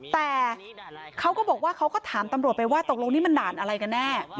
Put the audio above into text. แต่เขาก็บอกว่าเขาก็ถามตำรวจไปว่าตกลงนี่มันด่านอะไรกันแน่